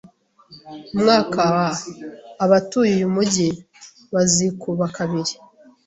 Umwaka wa , abatuye uyu mujyi bazikuba kabiri.